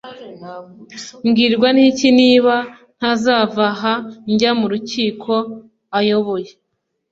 mbwirwa n’iki niba ntazava aha njya mu rukiko ayoboye?